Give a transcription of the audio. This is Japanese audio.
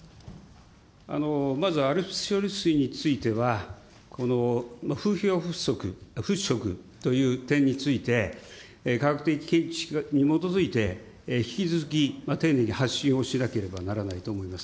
まずＡＬＰＳ処理水については、この風評払拭という点について、科学的知見に基づいて、引き続き丁寧に発信をしなければならないと思います。